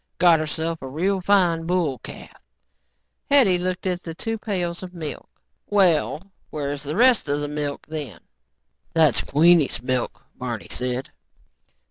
"Got herself a real fine little bull calf." Hetty looked at the two pails of milk. "Well, where's the rest of the milk, then?" "That's Queenie's milk," Barney said.